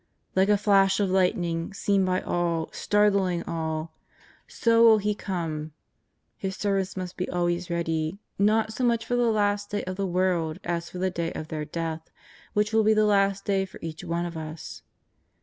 Like a flash of lightning, seen by all, startling all — so will He come JESUS OF NAZARETH. 321 His servants must be always ready, not so much for the Last Day of the world as for the day of their death, which will be the Last Day for each one of us.